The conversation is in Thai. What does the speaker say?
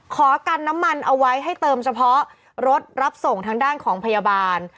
ขอกันน้ำมันเอาไว้ให้เติมเฉพาะรถรับส่งทางด้านของพยาบาล